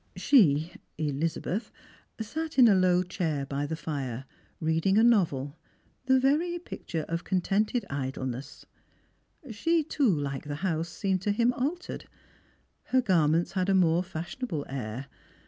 She — Elizabeth — sat in a low chair by the ire, reading a Strangers atd Pilgrims. 65 novel, tne very picture of contented idleness. She too, Uke the house, seemed to him altered. Her garments had a more fashionable air.